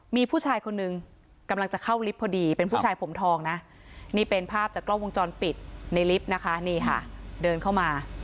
มีผู้ชายคนหนึ่งกำลังจะเข้าลิฟต์พอดีเป็นผู้ชายผมทองนะนี่เป็นภาพจากกล้องวงจรปิดในลิฟต์นะคะนี่ค่ะเดินเข้ามา